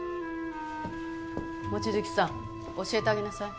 望月さん教えてあげなさい。